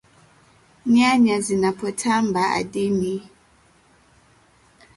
Nyanya zinapotambaa ardhini